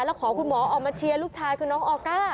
แล้วขอคุณหมอออกมาเชียร์ลูกชายคือน้องออก้า